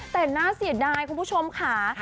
แต่น่าเสียดายคุณผู้ชมค่ะ